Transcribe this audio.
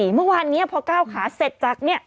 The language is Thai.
เมื่อวานนี้พอก้าวขาเสร็จจากเนี่ย